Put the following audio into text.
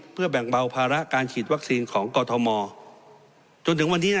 เพื่อแบ่งเบาภาระการฉีดวัคซีนของกรทมจนถึงวันนี้นะ